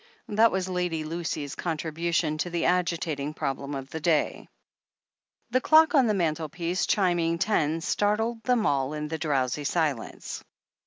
That was Lady Lucy's contribution to the agitating problem of the day. The clock on tfie mantelpiece chiming ten startled them all in the drowsy silence.